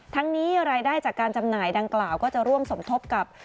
ทั้งนี้รายได้จากการจำหน่ายดังกล่าวก็จะร่วมสมทบกับ